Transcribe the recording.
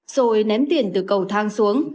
rồi ném tiền từ cầu thang xuống